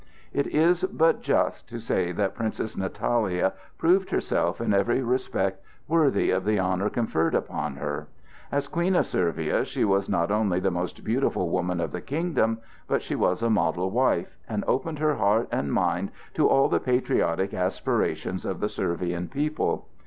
It is but just to say that Princess Natalia proved herself in every respect worthy of the honor conferred upon her. As Queen of Servia she was not only the most beautiful woman of the kingdom, but she was a model wife, and opened her heart and mind to all the patriotic aspirations of the Servian people.